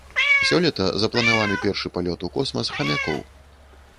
Сёлета запланаваны першы палёт у космас хамякоў.